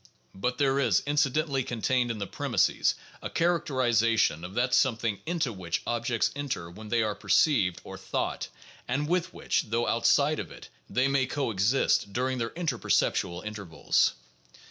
But there is inci dentally contained in the premises a characterization of that some thing "into" which objects enter when they are perceived or thought, and with which (though outside of it) they may coexist during their interperceptual intervals.